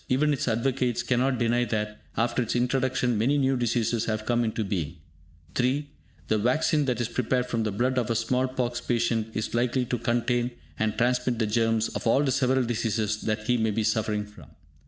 Even its advocates cannot deny that, after its introduction, many new diseases have come into being. (3) The vaccine that is prepared from the blood of a small pox patient is likely to contain and transmit the germs of all the several diseases that he may be suffering from.